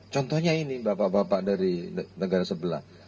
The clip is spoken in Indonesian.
contohnya ini bapak bapak dari negara sebelah